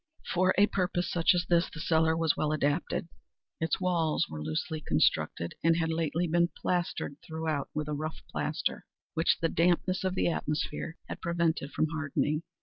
For a purpose such as this the cellar was well adapted. Its walls were loosely constructed, and had lately been plastered throughout with a rough plaster, which the dampness of the atmosphere had prevented from hardening.